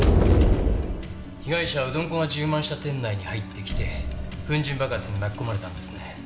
被害者はうどん粉が充満した店内に入ってきて粉塵爆発に巻き込まれたんですね。